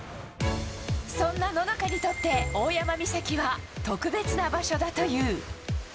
そんな野中にとって大山岬は特別な場所だという。